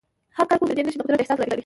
هر کارکوونکی د دې نښې د قدر احساس لري.